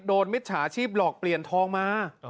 มิจฉาชีพหลอกเปลี่ยนทองมา